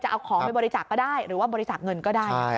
เอาของไปบริจาคก็ได้หรือว่าบริจาคเงินก็ได้